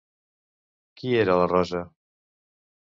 Qui era la Rosa?